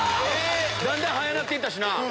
だんだん速くなっていったしな。